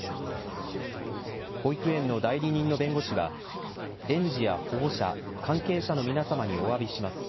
保育園の代理人の弁護士は園児や保護者、関係者の皆様におわびします。